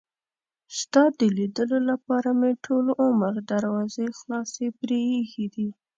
ستا د لیدلو لپاره مې ټول عمر دروازې خلاصې پرې ایښي دي.